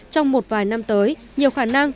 trong một vài năm tới nhiều khả năng